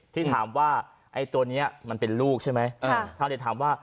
ที่ถามว่าไอ้ตัวนี้มันเป็นลูกใช่ไหมชาวเน็ตถามว่า